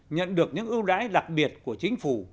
nhận được những ưu đãi đặc biệt của chính phủ